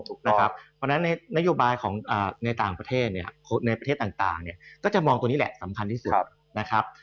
เพราะฉะนั้นนโยบายในต่างประเทศต่างก็จะมองตัวนี้แหละสำคัญที่สุด